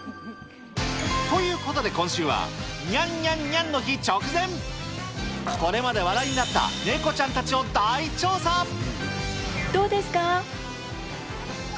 ということで、今週はにゃんにゃんにゃんの日直前、これまで話題になったネコちどうですか？